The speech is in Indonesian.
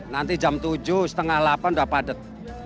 nanti jam tujuh setengah delapan udah padat